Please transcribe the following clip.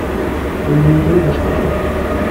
A win yufan ad as-teɣrem.